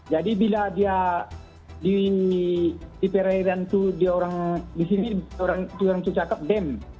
jadi bila dia di perairan tuh di orang di sini orang tuh cakap dam